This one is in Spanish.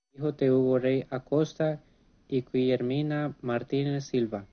Hijo de Hugo Rey Acosta y Guillermina Martínez Silva.